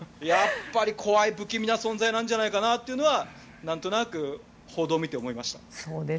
やっぱり怖い不気味な存在じゃないかなとなんとなく報道を見て思いました。